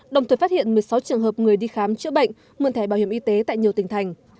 đồng thời phát hiện một mươi sáu trường hợp người đi khám chữa bệnh mượn thẻ bảo hiểm y tế tại nhiều tỉnh thành